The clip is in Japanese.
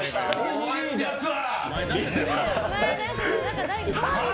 お前ってやつは！